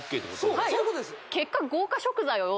結果そういうことですよ